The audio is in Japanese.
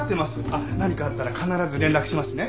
あっ何かあったら必ず連絡しますね。